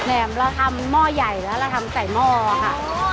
แหม่มเราทำหม้อใหญ่แล้วเราทำใส่หม้อค่ะ